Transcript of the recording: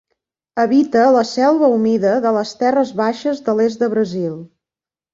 Habita la selva humida de les terres baixes de l'est de Brasil.